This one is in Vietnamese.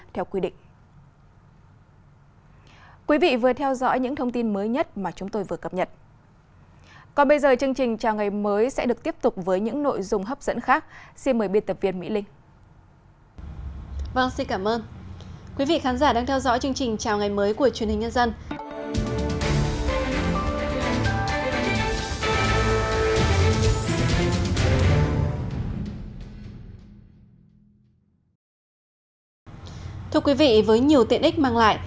thưa quý vị với nhiều tiện ích mang lại